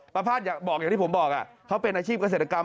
ประพาทบอกอย่างที่ผมบอกเขาเป็นอาชีพเกษตรกรรม